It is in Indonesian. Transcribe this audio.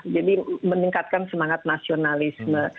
jadi meningkatkan semangat nasionalisme